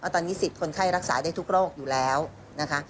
ตอนนี้สิทธิ์คนไข้รักษาได้ทุกโรคอยู่แล้วนะคะ